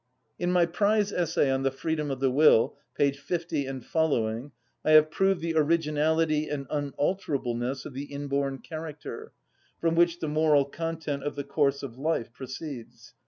In my prize essay on the freedom of the will (p. 50 seq.) I have proved the originality and unalterableness of the inborn character, from which the moral content of the course of life proceeds.